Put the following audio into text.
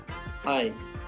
はい。